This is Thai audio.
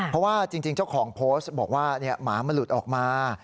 เพราะว่าจริงเจ้าของโพสต์บอกว่าหมามันหลุดออกมา